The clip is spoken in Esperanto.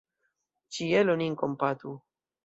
Ĉielo nin kompatu!